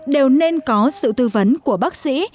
đều nên có sự tư vấn của bác sĩ